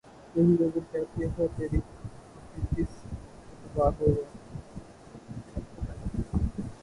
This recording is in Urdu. یہی اگر کیفیت ہے تیری تو پھر کسے اعتبار ہوگا